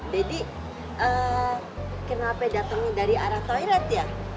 deddy kenapa datangnya dari arah toilet ya